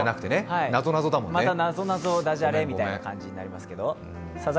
なぞなぞ、ダジャレみたいな感じになります。